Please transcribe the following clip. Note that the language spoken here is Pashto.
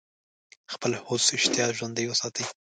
خپل هوس اشتها ژوندۍ وساتي.